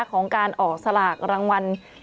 ของการออกสลากรางวัล